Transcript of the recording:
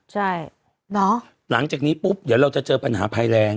ใช่หลังจากนี้ปุ๊บเดี๋ยวเราจะเจอปัญหาภัยแรง